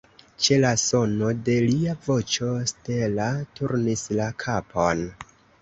Ĉe la sono de lia voĉo Stella turnis la kapon.